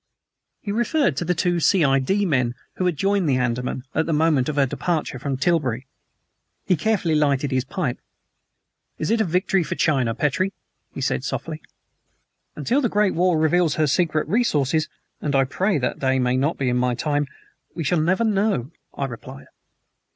He referred to the two C.I.D. men who had joined the Andaman at the moment of her departure from Tilbury. He carefully lighted his pipe. "IS it a victory for China, Petrie?" he said softly. "Until the great war reveals her secret resources and I pray that the day be not in my time we shall never know," I replied.